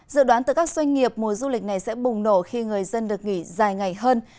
dự đoán từ các doanh nghiệp mùa du lịch này sẽ bùng nổ khi người dân được nghỉ dài ngày hơn